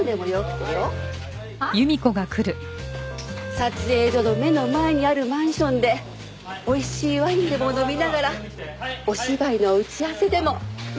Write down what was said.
撮影所の目の前にあるマンションでおいしいワインでも飲みながらお芝居の打ち合わせでもどう？